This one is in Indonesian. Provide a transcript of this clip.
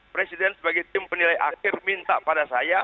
presiden sebagai tim penilai akhir minta pada saya